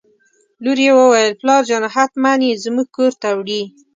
لور یې وویل: پلارجانه حتماً یې زموږ کور ته وړي.